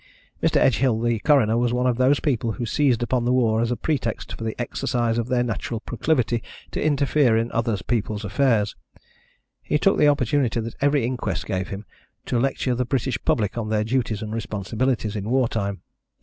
Mr. Edgehill, the coroner, was one of those people who seized upon the war as a pretext for the exercise of their natural proclivity to interfere in other people's affairs. He took the opportunity that every inquest gave him to lecture the British public on their duties and responsibilities in war time.